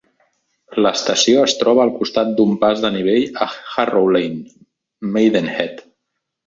L'estació es troba al costat d'un pas de nivell a Harrow Lane, Maidenhead.